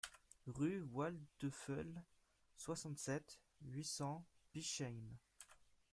Rue Waldteufel, soixante-sept, huit cents Bischheim